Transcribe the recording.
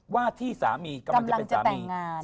ว่าที่สามีกำลังจะเป็นสามี